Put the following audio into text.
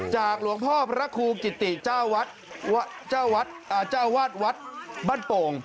หลวงพ่อพระครูกิติเจ้าวาดวัดบ้านโป่ง